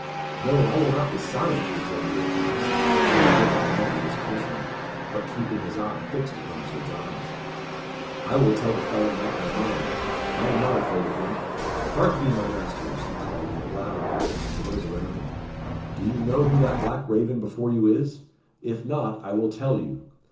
"No, I will not be silent," rejoined the apprentice, without looking round at his cautioner, but keeping his eye fixed upon Sir Giles. "I will tell the felon knight my mind. I am not afraid of him. Harkye, my masters," he called, in a loud voice, to those around him. "Do you know who that black raven before you is? If not, I will tell you.